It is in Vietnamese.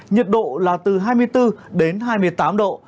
nhiệt độ là từ hai mươi bốn đến hai mươi tám độ